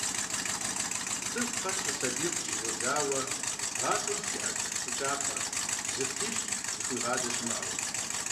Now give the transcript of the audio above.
Цӏыху къэс, щысабийм къыщыщӏэдзауэ, гъащӏэм щиӏэщ щӏы кӏапэ, зыпищӏ, зыхуигъадэ щымыӏэу.